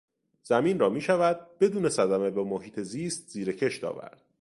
زمین را میشود بدون صدمه به محیط زیست زیر کشت آورد.